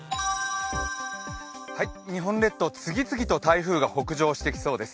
日本列島、次々と台風が北上してきそうです。